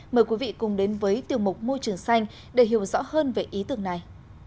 mời quý vị cùng đến với tiểu mục môi trường xanh để hiểu rõ hơn về ý tưởng này